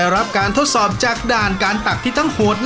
เอาไว้พัดเวลาตกต่อ